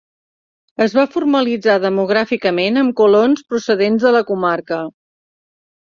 Es va formalitzar demogràficament amb colons procedents de la comarca.